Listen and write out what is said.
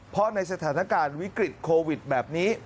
เพราะในสถานการณ์วิกฤตโควิดแบบนี้